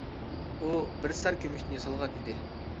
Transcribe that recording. ئۇ بىر سەر كۈمۈشتىن ياسالغان ئىدى.